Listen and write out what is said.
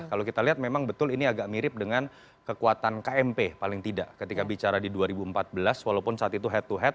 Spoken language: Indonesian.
kalau kita lihat memang betul ini agak mirip dengan kekuatan kmp paling tidak ketika bicara di dua ribu empat belas walaupun saat itu head to head